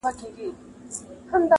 سپيني لېچي سره لاسونه -